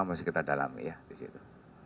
masih kita dalami ya di situ